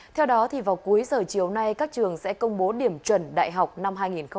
theo đó vào cuối giờ chiều nay các trường sẽ công bố điểm chuẩn đại học năm hai nghìn hai mươi